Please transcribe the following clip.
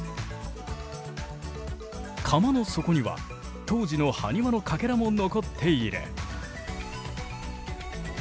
窯の底には当時のハニワのかけらも残っている。